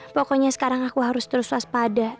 pokoknya sekarang aku harus terus waspada